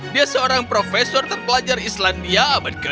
dia seorang profesor terpelajar islandia abad ke enam belas